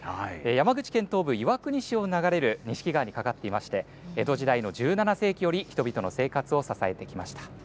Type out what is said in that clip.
山口県東部、岩国市を流れるにしき川に架かっていまして、江戸時代の１７世紀より人々の生活を支えてきました。